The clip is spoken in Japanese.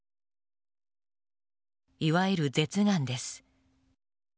いわゆる舌がんです。